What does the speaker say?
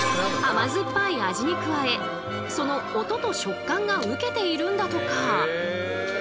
甘酸っぱい味に加えその音と食感がウケているんだとか！